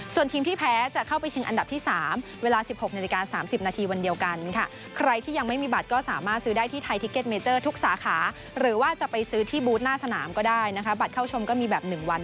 ส่วนทีมที่แพ้จะเข้าไปชิงอันดับที่๓เวลา๑๖นาฬิกา๓๐นาทีวันเดียวกันค่ะ